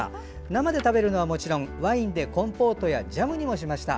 生はもちろんワインでコンポートやジャムなどにもしました。